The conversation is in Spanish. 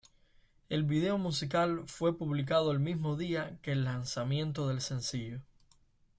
El vídeo musical fue publicado el mismo día que el lanzamiento del sencillo.